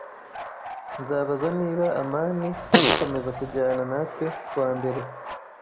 Ndabaza niba amani agikomeza kujyana natwe kuwa mbere.